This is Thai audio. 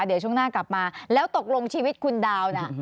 เดี๋ยวช่วงหน้ากลับมาแล้วตกลงชีวิตคุณดาวน่ะ